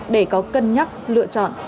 để có cân nhắc lựa chọn